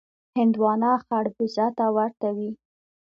هندوانه خړبوزه ته ورته وي.